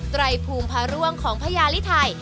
ไตรภูมิพระร่วงของพระยาลิทัย